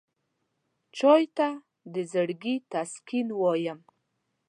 چای ته د زړګي تسکین وایم.